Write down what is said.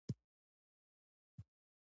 فزیک زموږ د وجود ژبه ده.